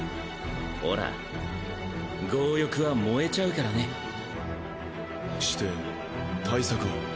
ほら剛翼は燃えちゃうからねして対策は？